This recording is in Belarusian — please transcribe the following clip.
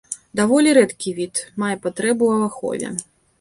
Даволі рэдкі від, мае патрэбу ў ахове.